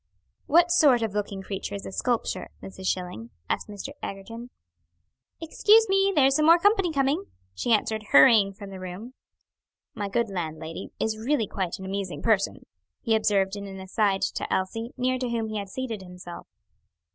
"What sort of looking creature is a sculpture, Mrs. Schilling?" asked Mr. Egerton. "Excuse me; there's some more company coming," she answered, hurrying from the room. "My good landlady is really quite an amusing person," he observed in an aside to Elsie, near to whom he had seated himself.